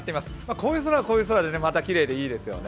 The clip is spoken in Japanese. こういう空はこういう空できれいでいいですよね。